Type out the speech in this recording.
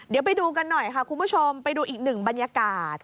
เดี๋ยวไปดูกันหน่อยค่ะคุณผู้ชมไปดูอีกหนึ่งบรรยากาศ